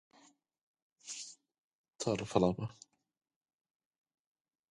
Due to its ray system, Zucchius is mapped as part of the Copernican System.